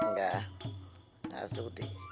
enggak gak sedih